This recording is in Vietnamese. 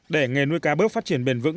để nghề nuôi cá bớp phát triển bền vững